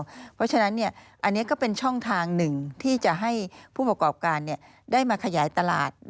เพราะฉะนั้นอันนี้ก็เป็นช่องทางหนึ่งที่จะให้ผู้ประกอบการได้มาขยายตลาด